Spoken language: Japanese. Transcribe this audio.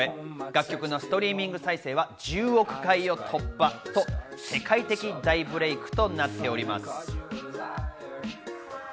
楽曲のストリーミング再生は１０億回を突破と世界的大ブレイクとなっております。